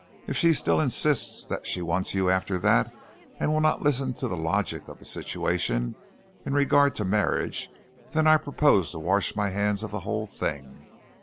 If she still insists that she wants you after that, and will not listen to the logic of the situation in regard to marriage, then I propose to wash my hands of the whole thing.